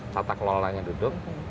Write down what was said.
tata kelolanya duduk